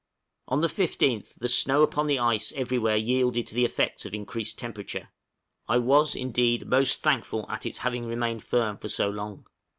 On the 15th the snow upon the ice everywhere yielded to the effects of increased temperature; I was, indeed, most thankful at its having remained firm so long.